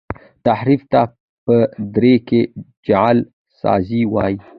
تحریف ته په دري کي جعل سازی وايي.